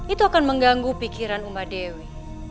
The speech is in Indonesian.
itu akan mengganggu pikiran umadewi